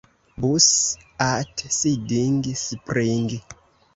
Bus at Siding Spring.